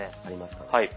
ありますね。